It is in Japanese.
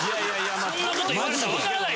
そんなこと言われたら分からない。